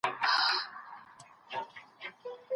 کمپيوټر له اوبو څخه بايد وساتل سي.